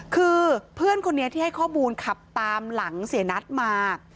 คือเพื่อนคนนี้ที่ให้ข้อมูลขับตามหลังเสียนัทมา